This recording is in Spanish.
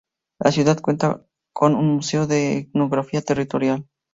La ciudad cuenta cin un museo de etnografía territorial.